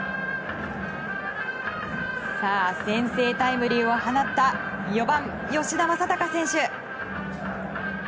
先制タイムリーを放った４番、吉田正尚選手。